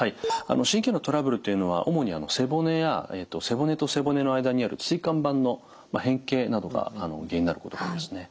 神経のトラブルというのは主に背骨や背骨と背骨の間にある椎間板の変形などが原因になることが多いですね。